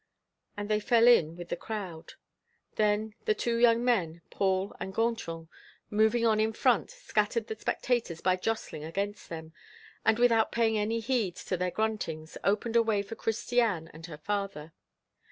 And they fell in with the crowd. Then, the two young men, Paul and Gontran, moving on in front, scattered the spectators by jostling against them, and without paying any heed to their gruntings, opened a way for Christiane and her father.